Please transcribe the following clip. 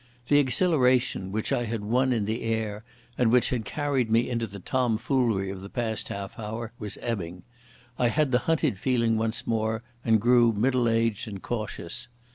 The exhilaration which I had won in the air and which had carried me into the tomfoolery of the past half hour was ebbing. I had the hunted feeling once more, and grew middle aged and cautious.